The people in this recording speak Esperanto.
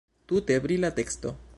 Tute brila teksto.